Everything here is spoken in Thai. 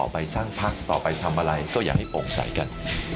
พักต่อไปทำอะไรก็อย่างให้โปร่งใสกัน